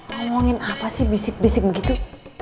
ngomongin apa sih bisik bisik begitu